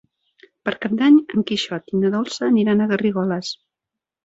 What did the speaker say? Per Cap d'Any en Quixot i na Dolça aniran a Garrigoles.